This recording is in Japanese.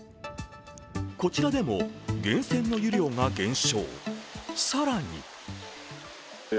こちらでも源泉の湯量が減少。